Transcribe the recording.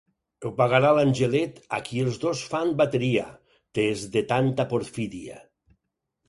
Ho pagarà l'angelet a qui els dos fan bateria, tes de tanta porfídia.